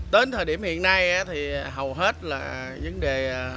tới thời điểm hiện nay thì hầu hết là những đề